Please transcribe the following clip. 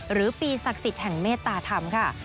หรือปีศักดิ์สิทธิ์แห่งเมตตาธรรมค่ะ